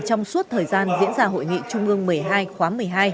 trong suốt thời gian diễn ra hội nghị trung ương một mươi hai khóa một mươi hai